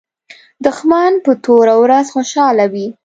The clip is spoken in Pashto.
دښمن په توره ورځ خوشاله وي